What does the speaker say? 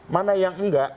mana yang enggak